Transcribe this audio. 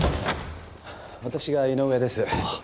私が井上です。